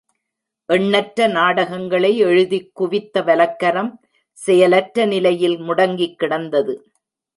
எண்ணற்ற நாடகங்களை எழுதிக் குவித்த வலக்கரம் செயலற்ற நிலையில் முடங்கிக் கிடந்தது.